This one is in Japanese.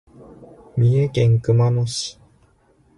三重県熊野市